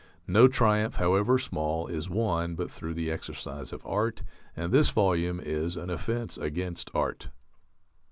No triumph, however small, is won but through the exercise of art, and this volume is an offence against art....